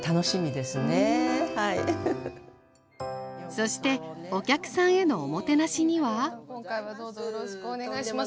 そしてお客さんへのおもてなしには今回はどうぞよろしくお願いします。